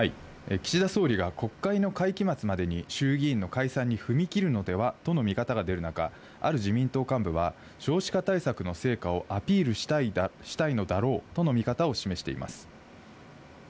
岸田総理が国会の会期末までに衆議院の解散に踏み切るのではとの見方が出る中、ある自民党幹部は少子化対策の成果をアピールしたいのだろうとの見方を示しています。